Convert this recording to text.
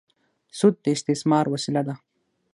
سود د استثمار وسیله ده.